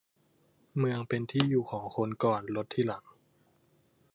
เมืองเป็นที่อยู่ของคนคนก่อน รถทีหลัง